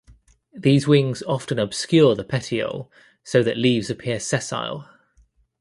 These wings often obscure the petiole so that leaves appear sessile.